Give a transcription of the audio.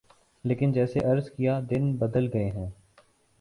لیکن جیسے عرض کیا دن بدل گئے ہیں۔